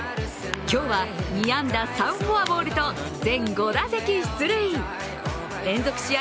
今日は２安打３フォアボールと全５打席出塁、連続試合